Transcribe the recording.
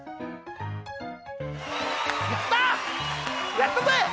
やったぜ！